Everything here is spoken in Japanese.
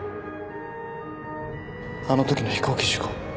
あのときの飛行機事故。